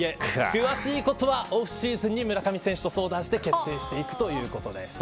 詳しいことはオフシーズンに村上選手と相談して決定していくということです。